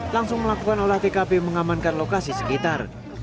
langsung melakukan olah tkp mengamankan lokasi sekitar